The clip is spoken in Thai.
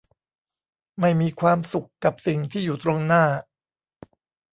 ไม่มีความสุขกับสิ่งที่อยู่ตรงหน้า